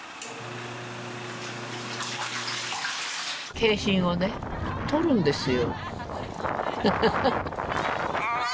景品をね取るんですよ。